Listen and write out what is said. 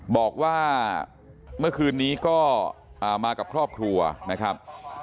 บอกว่าเมื่อคืนนี้ก็มากับครอบครัวนะครับ